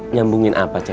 nyambungin apa cek